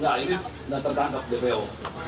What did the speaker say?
ya ini sudah tertangkap dpo